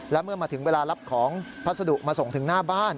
และเมื่อมาถึงเวลารับของพัสดุมาส่งถึงหน้าบ้าน